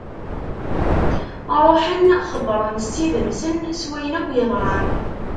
Ṛuḥen xebbṛen ssid-nsen s wayen akk yeḍran.